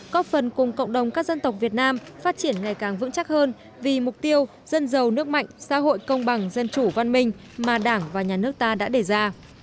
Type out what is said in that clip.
có phần cùng cộng đồng các dân tộc việt nam phát triển ngày càng vững chắc hơn vì mục tiêu dân giàu nước mạnh xã hội công bằng dân chủ văn minh mà đảng và nhà nước ta đã đề ra